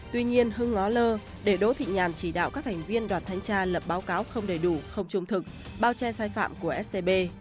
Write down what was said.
tuy nhiên hưng ngó lơ để đỗ thị nhàn chỉ đạo các thành viên đoàn thanh tra lập báo cáo không đầy đủ không trung thực bao che sai phạm của scb